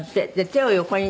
手を横に。